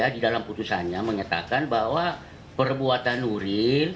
di dalam putusannya mengatakan bahwa perbuatan nuril